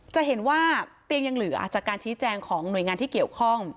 จะเห็นว่าเตียงยังเหลือจากการชี้แจงของหน่วยงานที่เกี่ยวข้อง